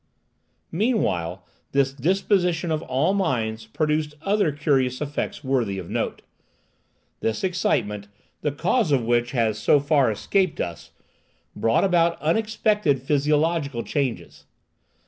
Meanwhile, this disposition of all minds produced other curious effects worthy of note. This excitement, the cause of which has so far escaped us, brought about unexpected physiological changes.